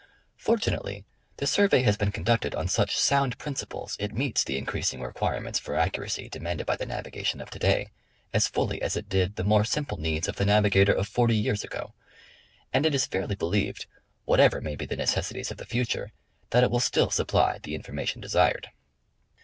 Fortunately the survey has been conducted on such sound principles it meets the increasing requirements for accuracy demanded by the navi gation of to day, as fully as it did the more simple needs of the navigator of forty years ago, and it is fairly believed, whatever may be the necessities of the future, that it will still supply the information desired.